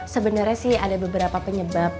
sebenarnya sih ada beberapa penyebab